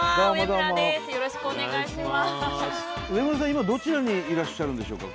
今どちらにいらっしゃるんでしょうか？